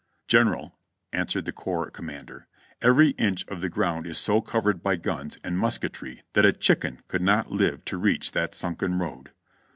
"General," answered the corps commander, "every inch of the ground is so covered by guns and musketr}^ that a chicken could not live to reach that sunken road."